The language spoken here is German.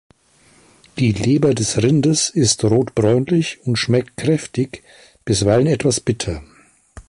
Die Leber des Rindes ist rotbräunlich und schmeckt kräftig, bisweilen etwas bitter.